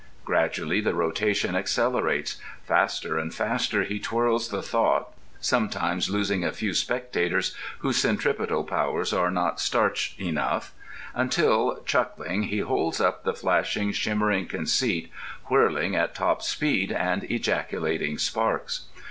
Gradually the rotation accelerates; faster and faster he twirls the thought (sometimes losing a few spectators whose centripetal powers are not starch enough) until, chuckling, he holds up the flashing, shimmering conceit, whirling at top speed and ejaculating sparks.